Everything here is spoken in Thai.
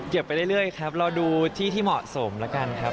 เก็บไปเรื่อยครับรอดูที่ที่เหมาะเสมอละกันครับ